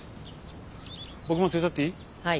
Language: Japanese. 僕も手伝っていい？